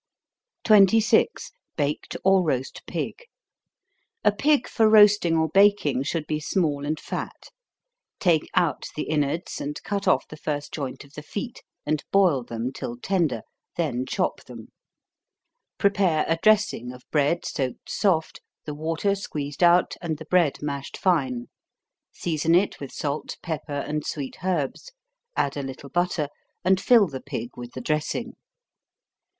26. Baked or Roast Pig. A pig for roasting or baking should be small and fat. Take out the inwards, and cut off the first joint of the feet, and boil them till tender, then chop them. Prepare a dressing of bread soaked soft, the water squeezed out, and the bread mashed fine, season it with salt, pepper, and sweet herbs, add a little butter, and fill the pig with the dressing.